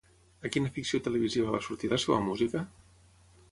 A quina ficció televisiva va sortir la seva música?